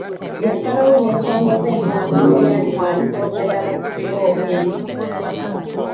Yasalawo n’etongoza empandiika eyali mu alipoota y’abasinga obungi.